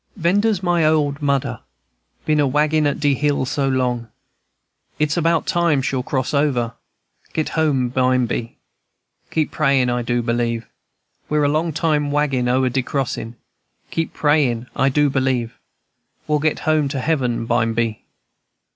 "Vender's my old mudder, Been a waggin' at de hill so long. It's about time she'll cross over; Get home bimeby. Keep prayin', I do believe We're a long time waggin' o'er de crossin'. Keep prayin', I do believe We'll get home to heaven bimeby.